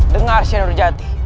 dengar senur jati